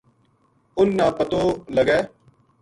ان نا پتو لگوے